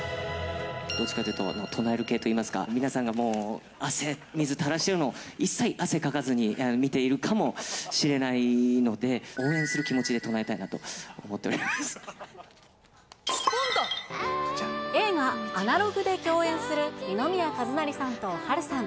どっちかというと、唱える系といいますか、皆さんがもう、汗水たらしてるのを、一切汗かかずに見ているかもしれないので、応援する気持ちで唱え映画、アナログで共演する、二宮和也さんと波瑠さん。